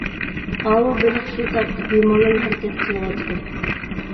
ئاۋۇ بېلىق، شۇ تاپتا بىمالال ھەرىكەت قىلىۋاتىدۇ.